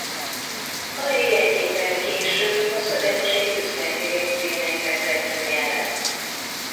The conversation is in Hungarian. Alig egy évvel később a szövetség üzleti részének vezetője lett.